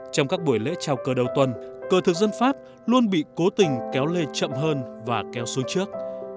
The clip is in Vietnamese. trong các buổi lễ trao cờ đầu tuần cờ thực dân pháp luôn bị cố gắng